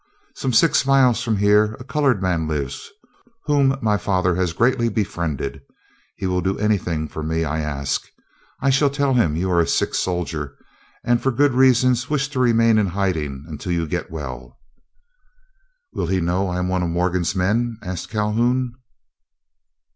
Some six miles from here a colored man lives whom my father has greatly befriended. He will do anything for me I ask. I shall tell him you are a sick soldier, and for good reasons wish to remain in hiding until you get well." "Will he know I am one of Morgan's men?" asked Calhoun.